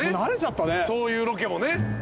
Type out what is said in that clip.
そういうロケもね。